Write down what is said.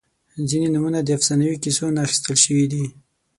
• ځینې نومونه د افسانوي کیسو نه اخیستل شوي دي.